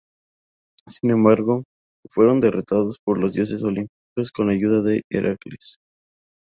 Sin embargo, fueron derrotados por los dioses olímpicos con la ayuda de Heracles.